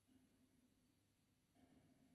The cover is a photo of John F. Kennedy's autopsy.